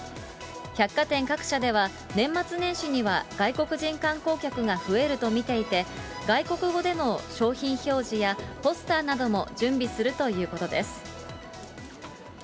百貨店各社では、年末年始には外国人観光客が増えると見ていて、外国語での商品表示やポスターなども準備するということです。